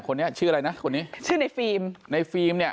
คนนี้ชื่ออะไรนะคนนี้ชื่อในฟิล์มในฟิล์มเนี่ย